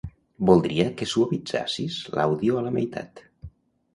Voldria que suavitzassis l'àudio a la meitat.